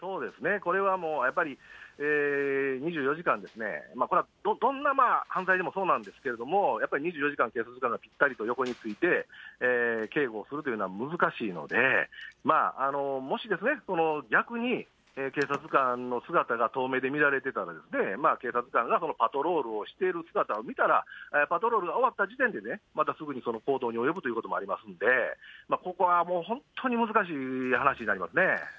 これはやっぱり、２４時間ですね、これはどんな犯罪でもそうなんですけれども、やっぱり２４時間、警察官がぴったりと横について警護をするというのは難しいので、もし、逆に、警察官の姿が遠目で見られてたらですね、警察官がパトロールしている姿を見たら、パトロールが終わった時点でね、またすぐに行動に及ぶということもありますんで、ここはもう、本当に難しい話になりますね。